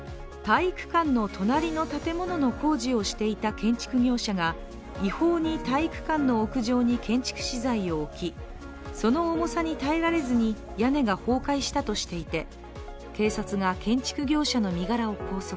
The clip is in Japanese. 建築業者が違法に体育館の屋上に建築資材を置きその重さに耐えられずに屋根が崩壊したとしていて警察が建築業者の身柄を拘束。